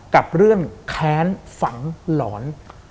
กับเรื่องแค้นฝังหลอน